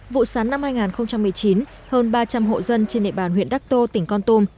vụ sắn năm hai nghìn một mươi chín hơn ba trăm linh hộ dân trên nệm bàn huyện đắc tô tỉnh quang tung